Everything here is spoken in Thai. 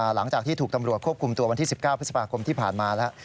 หลังจากที่ถูกตำรวจควบคุมตัววันที่๑๙พฤษภาคมที่ผ่านมาแล้ว